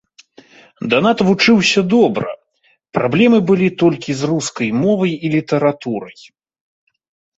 Данат вучыўся добра, праблемы былі толькі з рускай мовай і літаратурай.